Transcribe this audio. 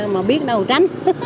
mà biết đâu tránh